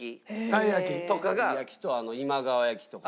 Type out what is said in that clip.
たい焼きと今川焼きとか。